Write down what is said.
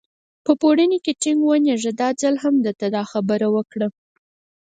په پوړني کې ټینګ ونېژه، دا ځل هم چې ده دا خبره وکړه.